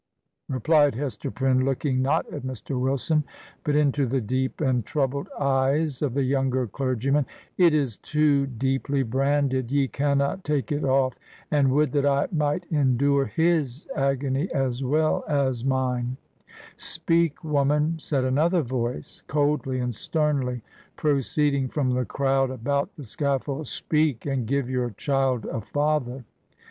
re plied Hester Prynne, looking, not at Mr. Wilson, but into the deep and troubled eyes of the younger clergy man. 'It is too deeply branded. Ye cannot take it ofiF. And would that I might endure his agony, as well as minel' 'Speak, woman I' said another voice, coldly and sternly, proceeding from the crowd about the scaffold. 'Speak; and give your child a father!'